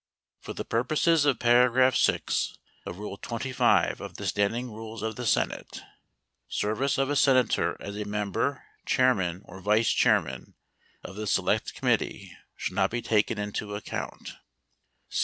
For 1® the purposes of paragraph 6 of rule XXV of the Standing 20 Rules of the Senate, service of a Senator as a member, chair 2 1 man, or viqe chairman of the select committee shall not be 22 taken into account.